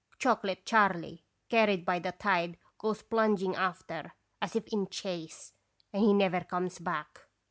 Chocolate Charley, carried by the tide, goes plunging after, as if in chase, and he never comes back.